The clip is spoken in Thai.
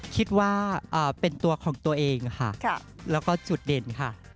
คิดว่าเป็นตัวของตัวเองค่ะแล้วก็จุดเด่นค่ะ